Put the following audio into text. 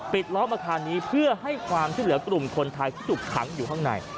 ล้อมอาคารนี้เพื่อให้ความช่วยเหลือกลุ่มคนไทยที่ถูกขังอยู่ข้างใน